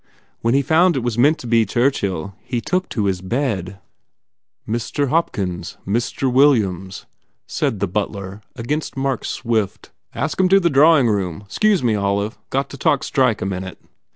When he found it was meant to be Churchill he took to his bed." "Mr. Hopkins, Mr. Williams," said the butler against Mark s swift, "Ask em to go to the draw ing room. Xcuse me, Olive. Got to go talk strike a minute."